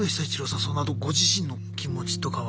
そのあとご自身の気持ちとかは。